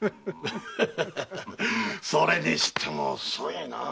それにしても遅いなあ！